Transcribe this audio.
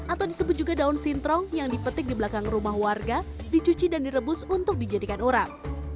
atau disebut juga daun sintrong yang dipetik di belakang rumah warga dicuci dan direbus untuk dijadikan urap